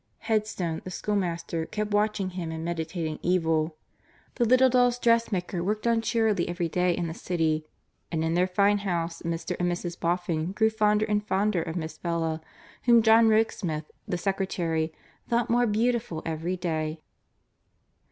Headstone, the schoolmaster, kept watching him and meditating evil. The little dolls' dressmaker worked on cheerily every day in the city, and in their fine house Mr. and Mrs. Boffin grew fonder and fonder of Miss Bella, whom John Rokesmith, the secretary, thought more beautiful every day.